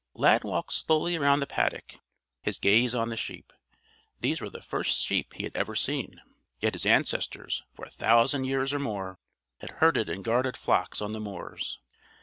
Lad walked slowly around the paddock, his gaze on the sheep. These were the first sheep he had ever seen. Yet his ancestors, for a thousand years or more, had herded and guarded flocks on the moors.